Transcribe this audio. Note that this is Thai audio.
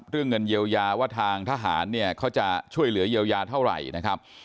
เรื่องเงินเยียวยาว่าทางทหารเนี่ยเขาจะช่วยเหลือเยียวยาเท่าไหร่นะครับ